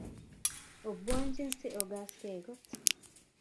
Obwanji si ogasge kot.